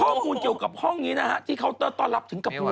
ข้อมูลเกี่ยวกับห้องนี้นะฮะที่เคาน์เตอร์ต้อนรับถึงกับ